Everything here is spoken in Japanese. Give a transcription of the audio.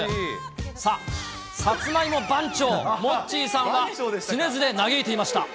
さあ、さつまいも番長、モッチーさんは、常々嘆いていました。